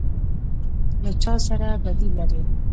_ له چا سره بدي لری؟